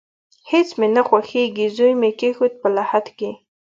هیڅ مې نه خوښیږي، زوی مې کیښود په لحد کې